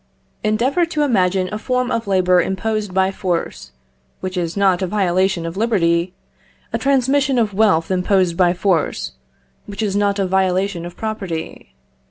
Endeavour to imagine a form of labour imposed by force, which is not a violation of liberty; a transmission of wealth imposed by force, which is not a violation of property.